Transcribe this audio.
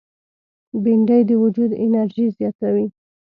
بېنډۍ د وجود انرژي زیاتوي